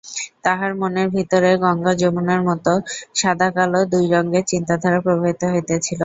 তাহার মনের ভিতরে গঙ্গাযমুনার মতো সাদা-কালো দুই রঙের চিন্তাধারা প্রবাহিত হইতেছিল।